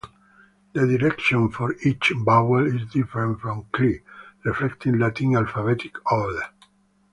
The direction for each vowel is different from Cree, reflecting Latin alphabetic order.